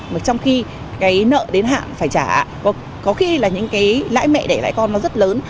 mà trong khi cái nợ đến hạn phải trả có khi là những cái lãi mẹ để lãi con nó rất lớn